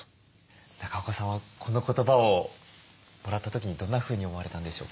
中岡さんはこの言葉をもらった時にどんなふうに思われたんでしょうか？